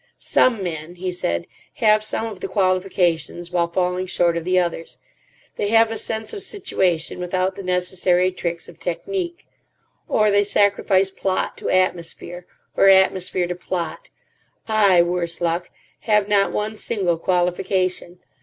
"Some men," he said, "have some of the qualifications while falling short of the others. They have a sense of situation without the necessary tricks of technique. Or they sacrifice plot to atmosphere, or atmosphere to plot. I, worse luck, have not one single qualification.